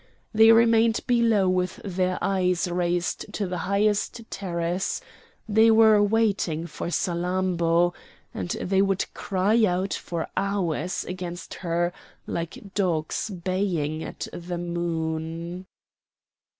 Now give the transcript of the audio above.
They remained below with their eyes raised to the highest terrace; they were waiting for Salammbô, and they would cry out for hours against her like dogs baying at the moon.